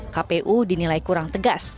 kpu dinilai kurang tegas